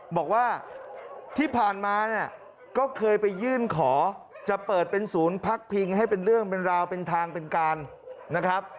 บอกว่าที่ผ่านมาเนี่ยก็เคยไปยื่นขอจะเปิดเป็นศูนย์พักพิงให้เป็นเรื่องเป็นราวเป็นทางเป็นการนะครับ